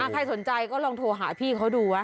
ใครสนใจก็ลองโทรหาพี่เขาดูว่า